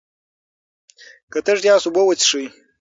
که تږي یاست، اوبه وڅښئ.